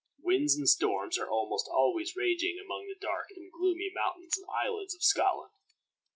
Winds and storms are almost always raging among the dark and gloomy mountains and islands of Scotland.